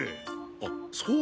あっそうだ！